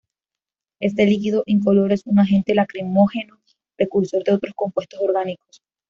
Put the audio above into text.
Este líquido incoloro es un agente lacrimógeno, precursor de otros compuestos orgánicos.